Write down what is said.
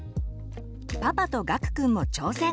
パパとがくくんも挑戦！